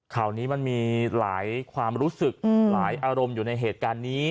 ข่าวนี้มันมีหลายความรู้สึกหลายอารมณ์อยู่ในเหตุการณ์นี้